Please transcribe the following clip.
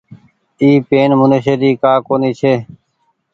اي پين منيشي ري ڪآ ڪونيٚ ڇي۔